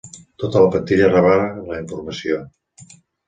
Tota la plantilla rebrà la informació.